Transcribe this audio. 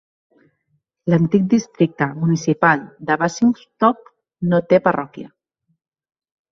L'antic districte municipal de Basingstoke no té parròquia.